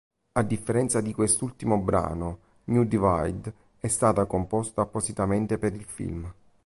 A differenza di quest'ultimo brano, "New Divide" è stata composta appositamente per il film.